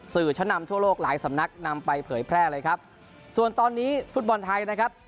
ชั้นนำทั่วโลกหลายสำนักนำไปเผยแพร่เลยครับส่วนตอนนี้ฟุตบอลไทยนะครับ